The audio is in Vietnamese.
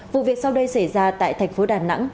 vụ việc sau đây xảy ra tại thành phố đà nẵng